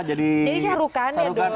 jadi syahrukan ya dong